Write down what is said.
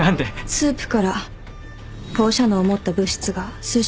スープから放射能を持った物質が数種類検出されました。